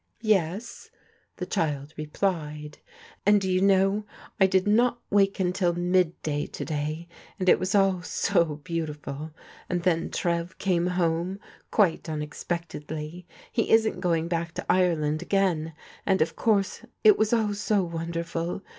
"Yes," the child replied; "and do you know I did not wake until midday to day, and it was all so beauti ful. And then Trev came home quite imexpectedly. He isn't going back to Ireland again, and of course it was all so wonderful.